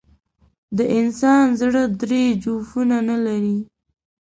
د انسان زړه درې جوفونه نه لري.